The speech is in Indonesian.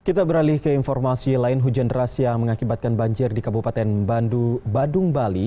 kita beralih ke informasi lain hujan deras yang mengakibatkan banjir di kabupaten bandung badung bali